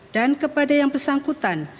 dan kepada yang bersangkutan